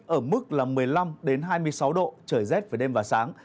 ở mức một mươi năm hai mươi sáu độ trời rét với đêm và sáng